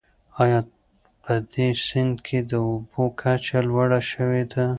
آیا په دې سیند کې د اوبو کچه لوړه شوې ده؟